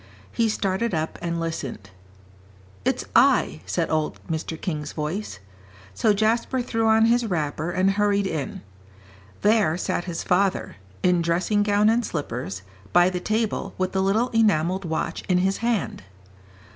He started up and listened. "It's I," said old Mr. King's voice. So Jasper threw on his wrapper, and hurried in. There sat his father, in dressing gown and slippers, by the table, with the little enamelled watch in his hand.